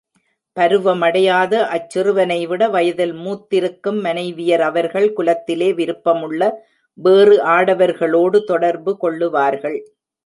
பருவமடையாத அச்சிறுவனைவிட, வயதில் மூத்திருக்கும் மனைவியர், அவர்கள் குலத்திலே விருப்பமுள்ள வேறு ஆடவர்களோடு தொடர்பு கொள்ளுவார்கள்.